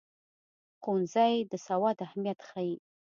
ښوونځی د سواد اهمیت ښيي.